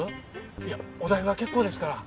いやお代は結構ですから。